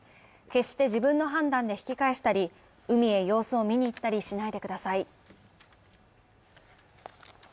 決して自分の判断で引き返したり、海へ様子を見に行ったりしないでください。